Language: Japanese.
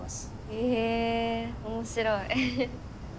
へえ面白い。